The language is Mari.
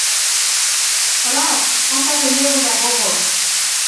Раш, пашаже нелыжак огыл.